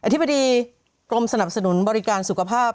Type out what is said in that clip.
ธิบดีกรมสนับสนุนบริการสุขภาพ